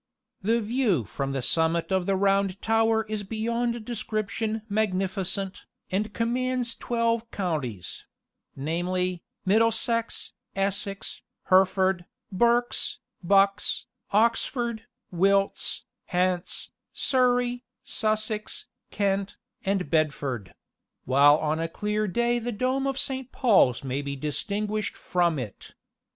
The view from the summit of the Round Tower is beyond description magnificent, and commands twelve counties namely, Middlesex, Essex, Hertford, Berks, Bucks, Oxford, Wilts, Hants, Surrey, Sussex, Kent, and Bedford; while on a clear day the dome of Saint Paul's may be distinguished from it.